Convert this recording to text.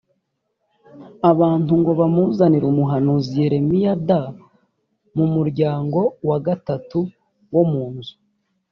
abantu ngo bamuzanire umuhanuzi yeremiya d mu muryango wa gatatu wo mu nzu